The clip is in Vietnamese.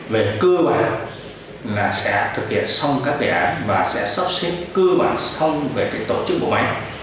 về cơ bản là sẽ thực hiện xong các đề án và sẽ sắp xếp cơ bản xong về tổ chức bộ máy